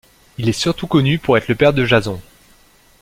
Il est surtout connu pour être le père de Jason.